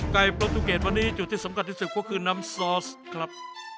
โปรตูเกตวันนี้จุดที่สำคัญที่สุดก็คือน้ำซอสครับ